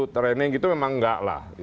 training itu memang enggak lah